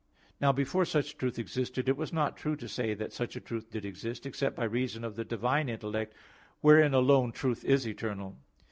Now before such truth existed, it was not true to say that such a truth did exist, except by reason of the divine intellect, wherein alone truth is eternal.